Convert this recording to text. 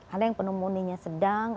ada yang pneumonia sedang